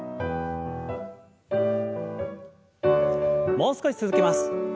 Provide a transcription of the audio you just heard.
もう少し続けます。